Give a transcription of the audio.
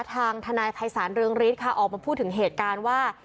ทางทนายภัยศาลเรืองฤทธิ์ค่ะออกมาพูดถึงเหตุการณ์ว่า